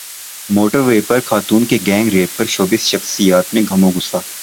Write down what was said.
motor وے پر خاتون کے گینگ ریپ پرشوبز شخصیات میں غم غصہ